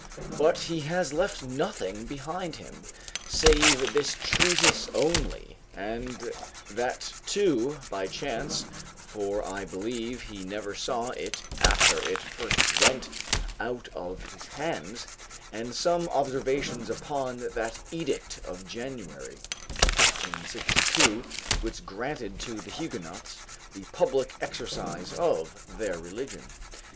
But he has left nothing behind him, save this treatise only (and that too by chance, for I believe he never saw it after it first went out of his hands), and some observations upon that edict of January [1562, which granted to the Huguenots the public exercise of their religion.